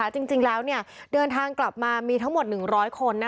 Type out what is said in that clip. จริงแล้วเดินทางกลับมามีทั้งหมด๑๐๐คน